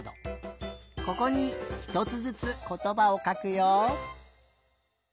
ここにひとつずつことばをかくよ。